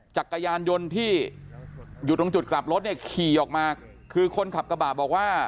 จักรยานยนต์ที่อยู่ตรงจุดกลับรถเนี่ยขี่ออกมาคือคนขับกระบะบอกว่า